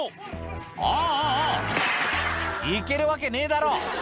あああ行けるわけねえだろ